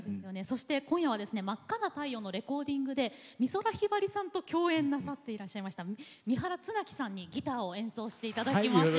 そして今夜はですね「真赤な太陽」のレコーディングで美空ひばりさんと共演なさっていらっしゃいました三原綱木さんにギターを演奏して頂きます。